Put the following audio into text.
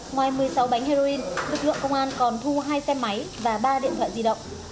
ngoài một mươi sáu bánh heroin lực lượng công an còn thu hai xe máy và ba điện thoại di động